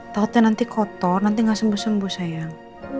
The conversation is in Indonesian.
tautnya nanti kotor nanti gak sembuh sembuh sayang